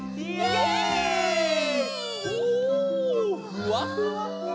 ふわふわふわ。